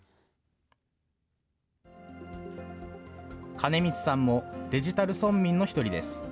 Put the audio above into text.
金光さんもデジタル村民の一人です。